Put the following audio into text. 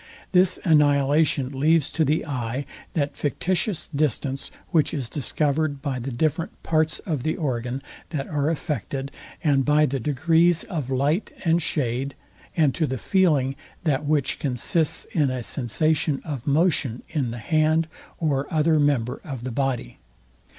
This annihilation leaves to the eye, that fictitious distance, which is discovered by the different parts of the organ, that are affected, and by the degrees of light and shade; and to the feeling, that which consists in a sensation of motion in the hand, or other member of the body.